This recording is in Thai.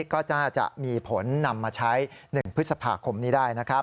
ก็จะมีผลนำมาใช้๑พฤษภาคมได้